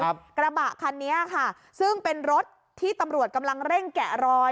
กระบะคันนี้ค่ะซึ่งเป็นรถที่ตำรวจกำลังเร่งแกะรอย